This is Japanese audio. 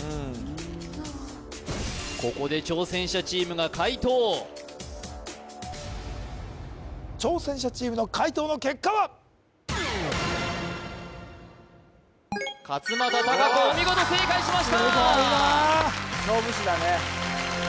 うんここで挑戦者チームが解答挑戦者チームの解答の結果はすごい勝間田貴子お見事正解しましたすごいなあ勝負師だね